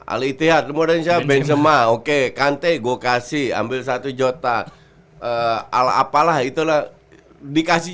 al ithyat moden syahab benzema oke kante gue kasih ambil satu jota ala apalah itulah dikasih